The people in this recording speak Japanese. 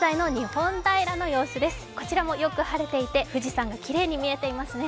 こちらもよく晴れていて、富士山がきれいに見えていますね。